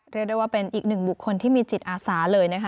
เรียกได้ว่าเป็นอีกหนึ่งบุคคลที่มีจิตอาสาเลยนะคะ